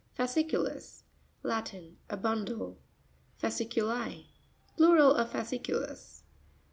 Fascr'cutus.—Latin. A bundle. Fasci'cut1.—Plural of fasciculus.